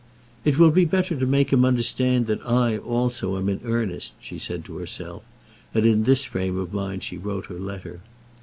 "It will be better to make him understand that I, also, am in earnest," she said to herself; and in this frame of mind she wrote her letter.